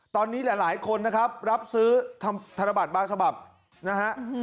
ตอนนี้หลายคนนะครับรับซื้อธนบัตรบางฉบับนะฮะ